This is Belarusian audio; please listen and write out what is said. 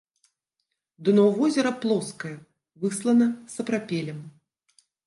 Дно возера плоскае, выслана сапрапелем.